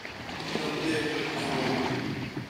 Não perca de novo